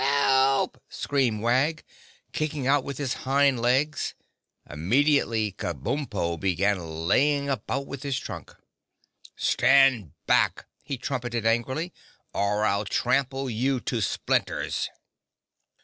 "Help!" screamed Wag, kicking out with his hind legs. Immediately Kabumpo began laying about with his trunk. "Stand back!" he trumpeted angrily, "or I'll trample you to splinters."